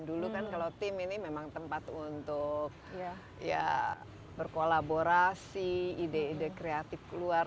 dulu kan kalau tim ini memang tempat untuk ya berkolaborasi ide ide kreatif keluar